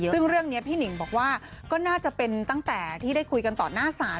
ซึ่งเรื่องนี้พี่หนิงบอกว่าก็น่าจะเป็นตั้งแต่ที่ได้คุยกันต่อหน้าศาล